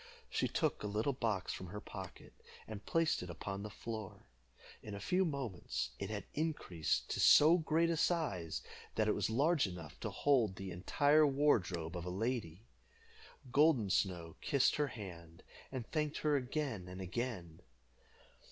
She took a little box from her pocket, and placed it upon the floor. In a few moments it had increased to so great a size that it was large enough to hold the entire wardrobe of a lady. Golden Snow kissed her hand, and thanked her again and again.